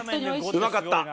うまかった。